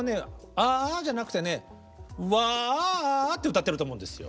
「ああ」じゃなくてね「わああ」って歌ってると思うですよ。